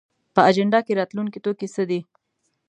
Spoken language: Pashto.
په اجنډا کې راتلونکی توکي څه دي؟